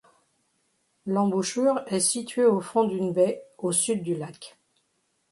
L'embouchure est située au fond d'une baie au sud du lac.